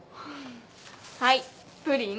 はいプリン。